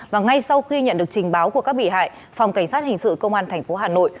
và ngay sau khi nhận được trình báo của các bị hại phòng cảnh sát hình sự công an tp hà nội